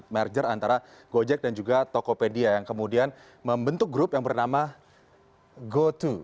merger antara gojek dan juga tokopedia yang kemudian membentuk grup yang bernama go dua